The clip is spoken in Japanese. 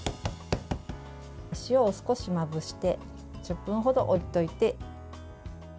塩を少しまぶして１０分ほど置いておいて。